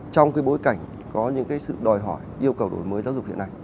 trong bối cảnh có những sự đòi hỏi yêu cầu đổi mới giáo dục hiện nay